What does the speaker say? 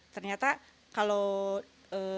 ternyata kalau sistem offline itu kurang gitu penjualannya